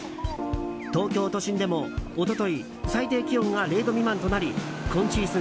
東京都心でも一昨日、最低気温が０度未満となり今シーズン